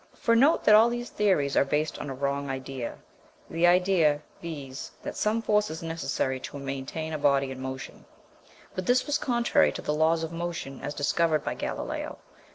For, note that all these theories are based on a wrong idea the idea, viz., that some force is necessary to maintain a body in motion. But this was contrary to the laws of motion as discovered by Galileo.